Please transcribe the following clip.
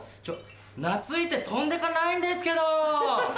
懐いて飛んでかないんですけど！